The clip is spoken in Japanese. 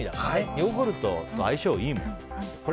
ヨーグルトは相性がいいもん。